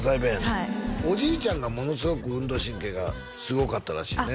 はいおじいちゃんがものすごく運動神経がすごかったらしいね